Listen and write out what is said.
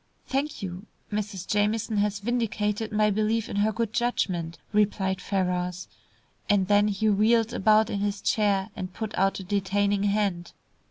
"Thank you. Mrs. Jamieson has vindicated my belief in her good judgment," replied Ferrars, and then he wheeled about in his chair, and put out a detaining hand.